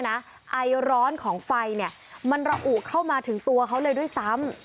ไอร้อนของไฟมันระอุเข้ามาถึงตัวเขาเลยด้วยซ้ำ